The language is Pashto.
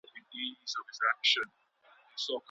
لويې لاسته راوړنې د ژوند په تجریبه کي ده.